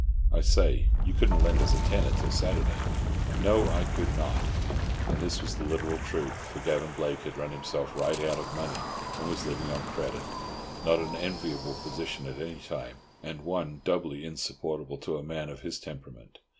I say, you couldn't lend us a tenner till Saturday?" "No, I could not—" And this was the literal truth, for Gavan Blake had run himself right out of money, and was living on credit—not an enviable position at any time, and one doubly insupportable to a man of his temperament.